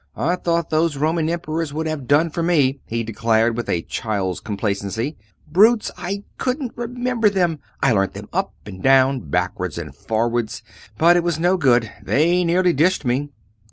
"I thought those Roman emperors would have done for me!" he declared, with a child's complacency. "Brutes! I couldn't remember them. I learnt them up and down, backwards and forwards but it was no good; they nearly dished me!"